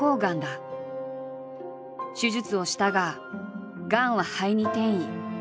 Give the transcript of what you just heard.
手術をしたががんは肺に転移。